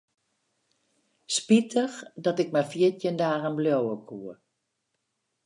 Spitich dat ik mar fjirtjin dagen bliuwe koe.